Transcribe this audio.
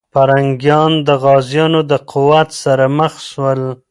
پرنګیان د غازيانو د قوت سره مخ سول.